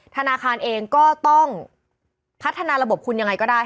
ธนาคารเองก็ต้องพัฒนาระบบคุณยังไงก็ได้